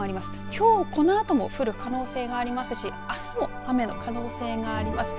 きょうこのあとも降る可能性がありますしあすも雨の可能性があります。